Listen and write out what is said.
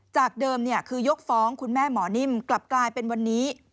จากเดิมคือยกฟ้องคุณแม่หมอนิ่มกลับกลายเป็นวันนี้